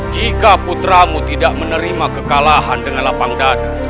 jika putramu tidak menerima kekalahan dengan lapang dada